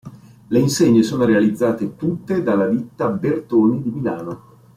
Le insegne sono realizzate tutte dalla ditta Bertoni di Milano.